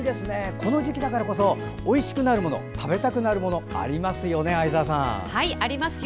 この時期だからこそおいしくなるもの食べたくなるものありますよね、相沢さん。ありますよ。